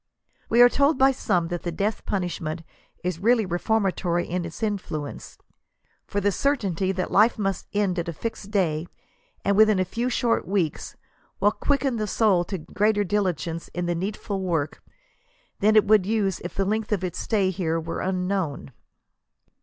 We are told by some that the death punishment is really reformatory in its infllience ; for the certainty that life must end at a fixed day, and within a few short weeks, will quicken the soul to greater diligence in the needful work, than it would use if the length of its stay here were unknown.